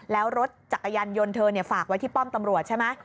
แล้วรถจักรยานยนต์เธอฝากไว้ที่ป้อมตำรวจใช่ไหม